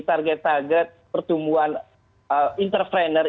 target target pertumbuhan inter trainer